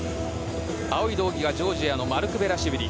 青い道着がジョージアのマルクベラシュビリ。